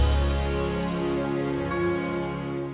gue akan selalu ada disini